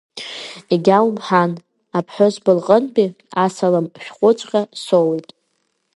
Егьа умҳәан, аԥҳәызба лҟынтәи асалам шәҟәыҵәҟьа соуит.